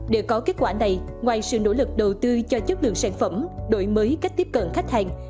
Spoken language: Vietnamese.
để có kết quả này ngoài sự nỗ lực đầu tư cho chất lượng sản phẩm đổi mới cách tiếp cận khách hàng